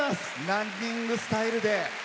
ランニングスタイルで。